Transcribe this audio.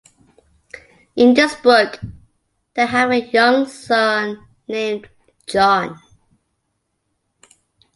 In this book, they have a young son named John.